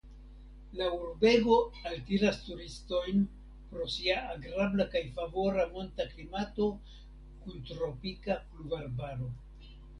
La urbego altiras turistojn pro sia agrabla kaj favora monta klimato kun tropika pluvarbaro.